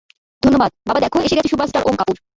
ধন্যবাদ, বাবা, দেখ, এসেগেছে সুপারস্টার ওম কাপুর।